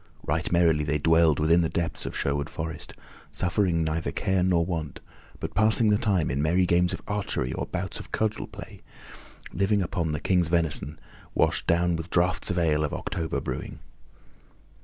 Right merrily they dwelled within the depths of Sherwood Forest, suffering neither care nor want, but passing the time in merry games of archery or bouts of cudgel play, living upon the King's venison, washed down with draughts of ale of October brewing.